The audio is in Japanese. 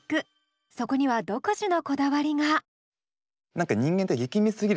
そこには独自のこだわりが。